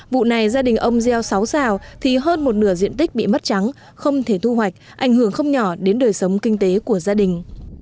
vụ này gia đình ông gieo sáu xào thì hơn một nửa diện tích bị mất trắng không thể thu hoạch ảnh hưởng không nhỏ đến đời sống kinh tế của gia đình